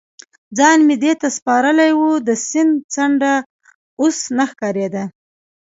ځان مې دې ته سپارلی و، د سیند څنډه اوس نه ښکارېده.